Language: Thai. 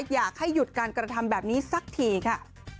อยากให้หยุดการกระทำแบบนี้สักทีค่ะ